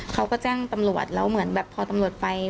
เขาก็แจ้งตำรวจแล้วเหมือนแบบพอตำรวจไป